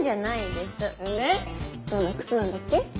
でどんな靴なんだっけ？